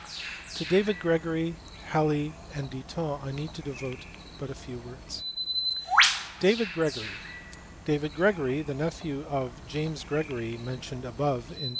To David Gregory, Halley, and Ditton I need devote but few words. David Gregory. David Gregory, the nephew of the James Gregory mentioned above on p.